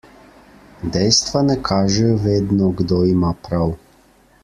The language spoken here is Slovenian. Dejstva ne kažejo vedno, kdo ima prav.